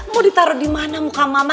mau ditaruh dimana muka mama